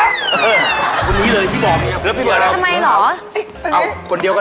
คนนี้เลยที่บอกนี่ครับ